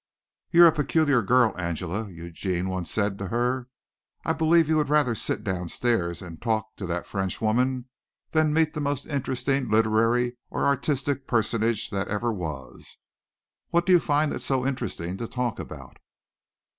"You're a peculiar girl, Angela," Eugene once said to her. "I believe you would rather sit down stairs and talk to that French woman than meet the most interesting literary or artistic personage that ever was. What do you find that's so interesting to talk about?"